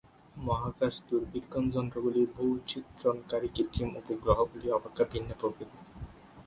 মহাকাশ দূরবীক্ষণ যন্ত্রগুলি ভূ-চিত্রণকারী কৃত্রিম উপগ্রহগুলি অপেক্ষা ভিন্ন প্রকৃতির।